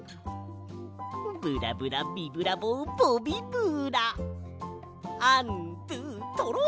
ブラブラビブラボボビブラアンドゥトロワ！